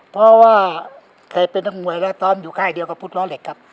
เพราะว่าเคยเป็นนักมวยแล้วตอนอยู่ค่ายเดียวกับพุทธล้อเหล็กครับ